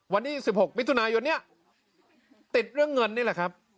วันที่๑๖มิถุนายนเนี่ยติดเรื่องเงินนี่แหละครับ